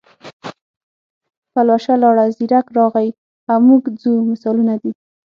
پلوشه لاړه، زیرک راغی او موږ ځو مثالونه دي.